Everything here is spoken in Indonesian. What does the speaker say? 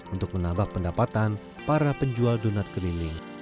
untuk menambah pendapatan para penjual donat keliling